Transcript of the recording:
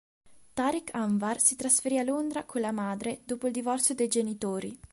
Tariq Anwar si trasferì a Londra con la madre dopo il divorzio dei genitori.